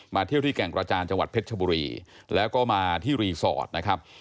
เที่ยวที่แก่งกระจานจังหวัดเพชรชบุรีแล้วก็มาที่รีสอร์ทนะครับ